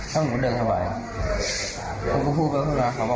แล้วผมถามเขาแล้ว